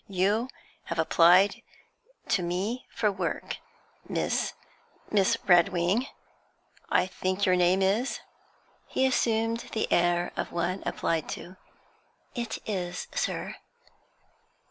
You have applied to me for work, Miss Miss Redwing, I think your name is?' He assumed the air of one applied to. 'It is, sir.'